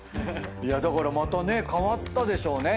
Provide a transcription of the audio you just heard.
だからまた変わったでしょうね。